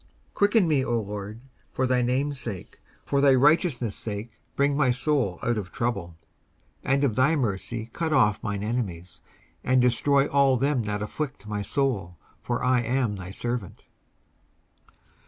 19:143:011 Quicken me, O LORD, for thy name's sake: for thy righteousness' sake bring my soul out of trouble. 19:143:012 And of thy mercy cut off mine enemies, and destroy all them that afflict my soul: for I am thy servant.